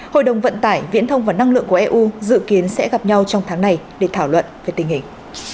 hội đồng vận tải viễn thông và năng lượng của eu dự kiến sẽ gặp nhau trong tháng này để thảo luận về tình hình